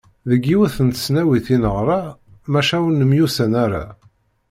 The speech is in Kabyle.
Deg yiwet n tesnawit i neɣra maca ur nemyussan ara.